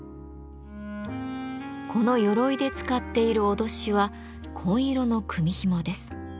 この鎧で使っている威しは紺色の組みひもです。